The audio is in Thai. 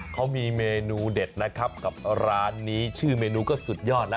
เขามีเมนูเด็ดนะครับกับร้านนี้ชื่อเมนูก็สุดยอดแล้ว